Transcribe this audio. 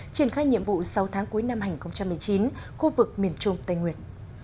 triển khai nhiệm vụ sáu tháng cuối năm hai nghìn một mươi chín khu vực miền trung tây nguyệt